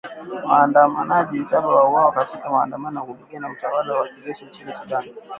Waandamanaji saba wauawa katika maandamano ya kupinga utawala wa kijeshi nchini Sudan